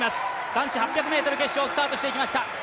男子８００ｍ決勝スタートしていきました。